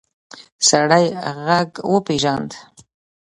سړی غږ وپېژاند.